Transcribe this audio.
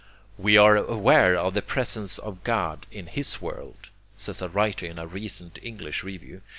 'We are aware of the presence of God in His world,' says a writer in a recent English Review.